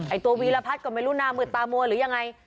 ไอ้ตัววีรพัทก็ไม่รู้นามืดตามวลหรือยังไง